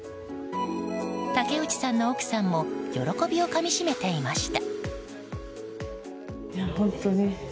竹内さんの奥さんも喜びをかみ締めていました。